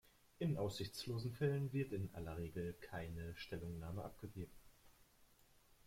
In aussichtslosen Fällen wird in aller Regel keine Stellungnahme abgegeben.